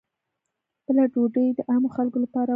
بله ډوډۍ د عامو خلکو لپاره وه.